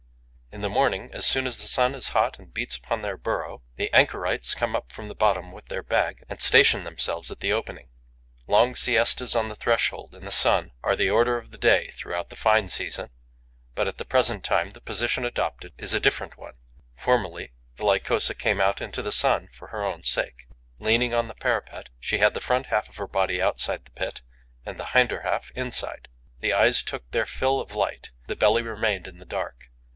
In the morning, as soon as the sun is hot and beats upon their burrow, the anchorites come up from the bottom with their bag and station themselves at the opening. Long siestas on the threshold in the sun are the order of the day throughout the fine season; but, at the present time, the position adopted is a different one. Formerly, the Lycosa came out into the sun for her own sake. Leaning on the parapet, she had the front half of her body outside the pit and the hinder half inside. The eyes took their fill of light; the belly remained in the dark.